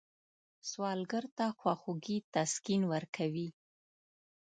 سوالګر ته خواخوږي تسکین ورکوي